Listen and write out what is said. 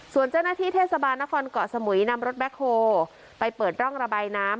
ส่วนเจ้าหน้าที่เทศบาลนครเกาะสมุยนำรถแบ็คโฮลไปเปิดร่องระบายน้ำ